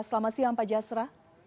selamat siang pak jasra